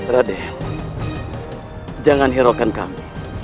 raden jangan herokan kami